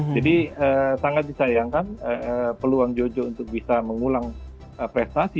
jadi sangat disayangkan peluang jojo untuk bisa mengulang prestasi